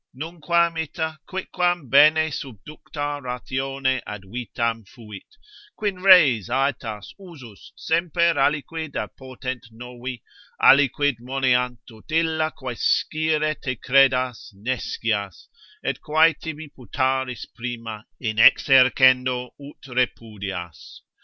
Nunquam ita quicquam bene subducta ratione ad vitam fuit, Quin res, aetas, usus, semper aliquid apportent novi, Aliquid moneant, ut illa quae scire te credas, nescias, Et quae tibi putaris prima, in exercendo ut repudias.